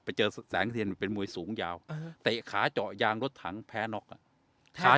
ไปเจอแสงเทียนเป็นมวยสูงยาวเตะขาเจาะยางรถถังแพ้น็อกอ่ะช้า